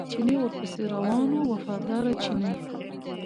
چیني ورپسې روان و وفاداره چیني.